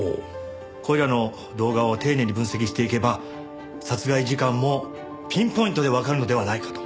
これらの動画を丁寧に分析していけば殺害時間もピンポイントでわかるのではないかと。